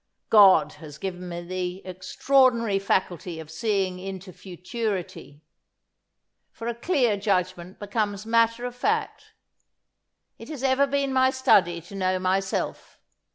God has given me the extraordinary faculty of seeing into futurity; for a clear judgment becomes matter of fact. It has ever been my study to know myself.